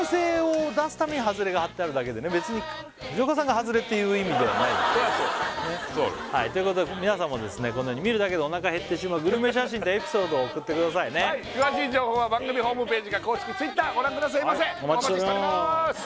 ハズレって顔にそれはそうということで皆さんもですねこのように見るだけでお腹が減ってしまうグルメ写真とエピソードを送ってくださいね詳しい情報は番組ホームページか公式Ｔｗｉｔｔｅｒご覧くださいませお待ちしております